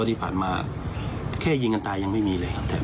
รู้ตั้งแต่วันแรกแหละครับ